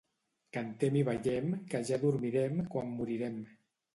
Cantem i ballem, que ja dormirem quan morirem.